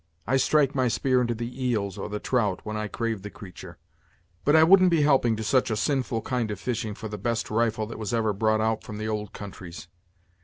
I strike my spear into the eels or the trout, when I crave the creatur'; but I wouldn't be helping to such a sinful kind of fishing for the best rifle that was ever brought out from the old countries.